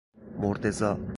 مرده زا